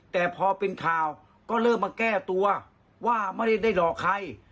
แต่พอเป็นข่าวก็เริ่มมาแก้ตัวว่าไม่ได้หลอกใคร